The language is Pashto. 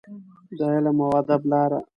د علم او ادب لاره.